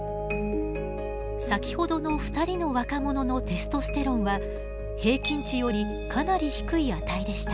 先ほどの２人の若者のテストステロンは平均値よりかなり低い値でした。